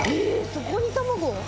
そこに卵？